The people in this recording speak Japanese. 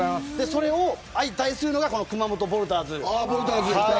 相対するのがこの熊本ヴォルターズ。